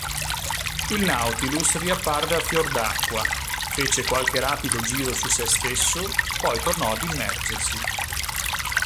Il Nautilus riapparve a fior d'acqua, fece qualche rapido giro su sé stesso, poi tornò ad immergersi.